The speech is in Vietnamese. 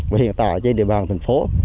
và hiện tại trên địa bàn thành phố